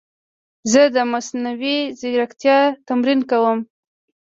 زه د مصنوعي ځیرکتیا تمرین کوم.